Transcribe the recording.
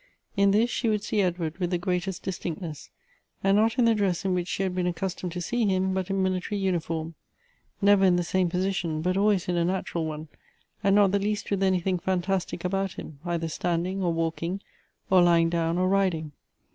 In this she would see Edward with the greatest distinctness, and not in the dress in which she had been accustomed to see him, but in military uniform ; never in the same position, but always in a natural one, and not the least with any thing fantastic about him, either standing or walking, or lying down or riding.